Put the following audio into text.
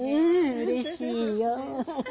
うれしいよ。